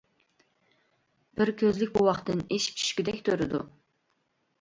بىر كۆزلۈك بوۋاقتىن ئېشىپ چۈشكۈدەك تۇرىدۇ.